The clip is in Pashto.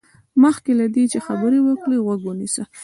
مخکې له دې چې خبرې وکړې، غوږ ونيسه.